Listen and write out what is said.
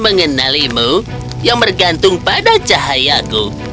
mengenalimu yang bergantung pada cahayaku